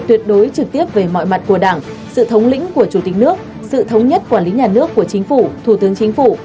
tuyệt đối trực tiếp về mọi mặt của đảng sự thống lĩnh của chủ tịch nước sự thống nhất quản lý nhà nước của chính phủ thủ tướng chính phủ